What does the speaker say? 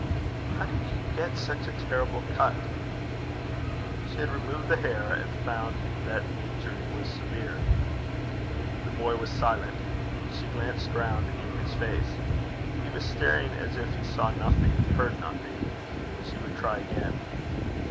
'How did you get such a terrible cut?' She had removed the hair, and found that the injury was severe. The boy was silent. She glanced round in his face. He was staring as if he saw nothing, heard nothing. She would try again.